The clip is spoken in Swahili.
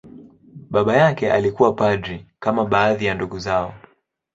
Baba yake alikuwa padri, kama baadhi ya ndugu zao.